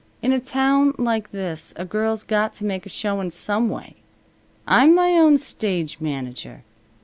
In a town like this a girl's got to make a showin' some way. I'm my own stage manager.